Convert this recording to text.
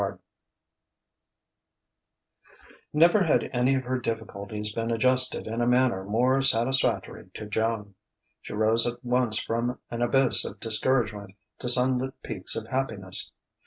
XV Never had any of her difficulties been adjusted in a manner more satisfactory to Joan. She rose at once from an abyss of discouragement to sunlit peaks of happiness.